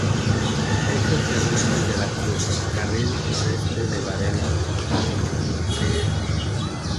F. Fernández de la Cruz, carril noreste de Varela, Av.